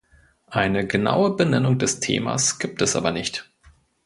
Eine genaue Benennung des Themas gibt es aber nicht.